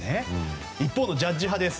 一方のジャッジ派です。